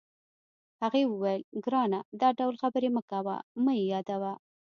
هغې وویل: ګرانه، دا ډول خبرې مه کوه، مه یې یادوه.